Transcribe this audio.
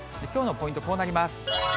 きょうのポイント、こうなります。